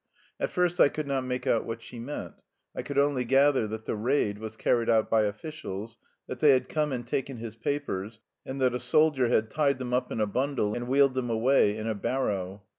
At first I could not make out what she meant; I could only gather that the "raid" was carried out by officials, that they had come and taken his papers, and that a soldier had tied them up in a bundle and "wheeled them away in a barrow."